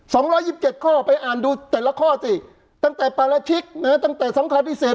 สองร้อยยี่สิบเจ็ดข้อไปอ่านดูแต่ละข้อสิตั้งแต่ปราชิกนะฮะตั้งแต่สำคัญพิเศษ